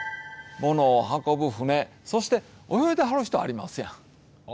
物を運ぶ舟そして泳いではる人ありますやん。